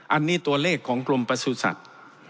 อันนี้ตัวเลขของกรมประสุทธิ์สัตว์